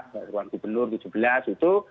pergub pergub yang baru tujuh belas itu